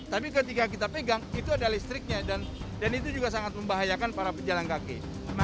tapi ketika kita pegang itu ada listriknya dan itu juga sangat membahayakan para pejalan kaki